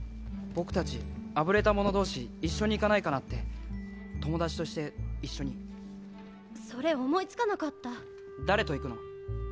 僕達あぶれた者同士一緒に行かないかなって友達として一緒にそれ思いつかなかった誰と行くの？